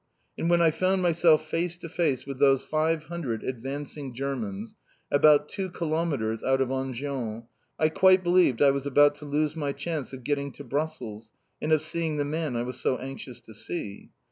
And when I found myself face to face with those five hundred advancing Germans, about two kilometres out of Enghien, I quite believed I was about to lose my chance of getting to Brussels and of seeing the man I was so anxious to see.